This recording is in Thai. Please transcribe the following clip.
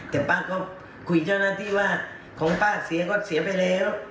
แต่ป้าก็คุยเจ้าหน้าที่ว่าของป้าเสียก็เสียไปแล้ว